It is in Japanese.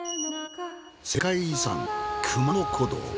世界遺産熊野古道。